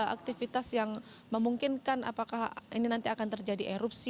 aktivitas yang memungkinkan apakah ini nanti akan terjadi erupsi